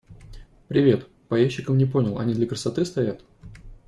Привет, по ящикам не понял, они для красоты стоят?